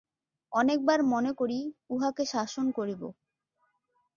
অনেকবার মনে করি উহাকে শাসন করিব।